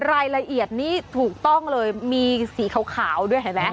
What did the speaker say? รายละเอียดนี้ถูกต้องเลยมีสีขาวด้วยเห็นไหม